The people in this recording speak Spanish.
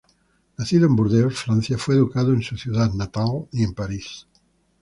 Nacido en Burdeos, Francia, fue educado en su ciudad natal y en París.